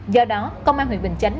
do đó công an huyện bình chánh